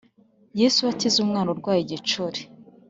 Yesu akiza umwana urwaye igicuri